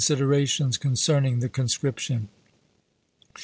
erations concerning the conscription.